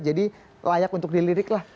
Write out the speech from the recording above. jadi layak untuk dilirik lah